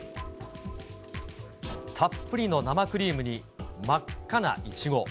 たっぷりの生クリームに真っ赤なイチゴ。